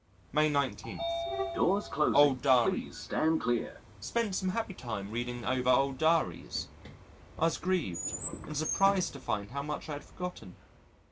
May 19. Old Diaries Spent some happy time reading over old diaries. I was grieved and surprised to find how much I had forgotten.